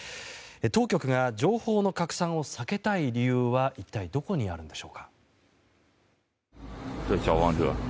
当局が情報の拡散を避けたい理由は一体どこにあるのでしょうか。